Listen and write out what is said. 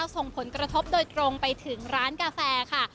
ส่งผลกระทบโดยตรงไปถึงร้านกาแฟค่ะ